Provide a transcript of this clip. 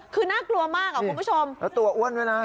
คือหน้ากลัวมากอะครับคุณผู้ชมแล้วตัวอ้วนไปนะ